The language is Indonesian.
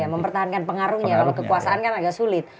mempertahankan pengaruhnya kalau kekuasaan kan agak sulit